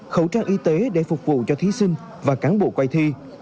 khẩu trang y tế để phục vụ cho thí sinh và cán bộ quay thi